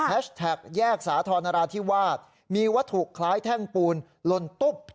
แฮชแท็กแยกสาธารณราชีวามีวัตถุคล้ายแท่งปูนลนตุ๊บ